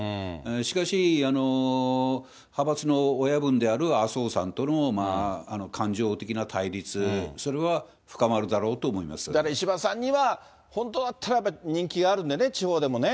しかし派閥の親分である麻生さんとの感情的な対立、それは深まるだから石破さんには、本当はとにかく人気があるんでね、地方でもね。